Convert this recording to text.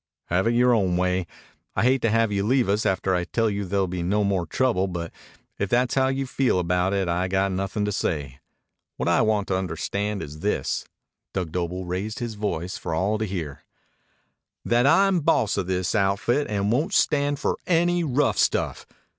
"Have it yore own way. I hate to have you leave us after I tell you there'll be no more trouble, but if that's how you feel about it I got nothin' to say. What I want understood is this" Dug Doble raised his voice for all to hear "that I'm boss of this outfit and won't stand for any rough stuff.